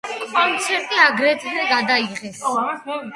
კონცერტი აგრეთვე გადაიღეს.